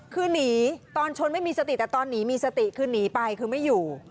คือหนีตอนชนไม่มีสติแต่ตอนหนีมีสติคือหนีไปคือไม่อยู่